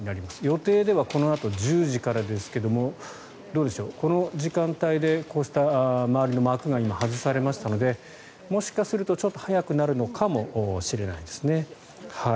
予定ではこのあと１０時からですがこの時間帯でこうした周りの幕が外されましたのでもしかするとちょっと早くなるのかもしれないですね。